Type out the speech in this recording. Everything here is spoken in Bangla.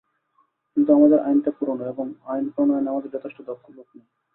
কিন্তু আমাদের আইনটা পুরোনো এবং আইন প্রণয়নে আমাদের যথেষ্ট দক্ষ লোক নেই।